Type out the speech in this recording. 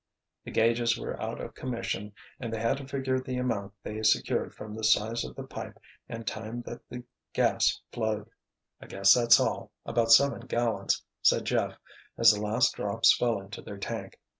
The gauges were out of commission and they had to figure the amount they secured from the size of the pipe and time that the gas flowed. "I guess that's all—about seven gallons," said Jeff as the last drops fell into their tank.